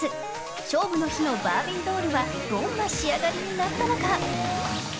勝負の日のバービードールはどんな仕上がりになったのか。